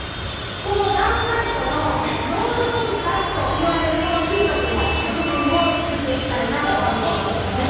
このダウンライトのロール本体といわれるこの金属の部分を作っていきたいなと思います。